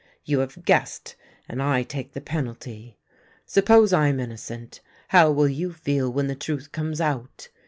You have guessed, and I take the penalty. Suppose I'm in nocent — how will you feel when the truth comes out?